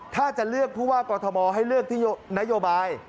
ถ้าจะเลือกผู้ว่ากอทมให้เลือกที่นโยบาย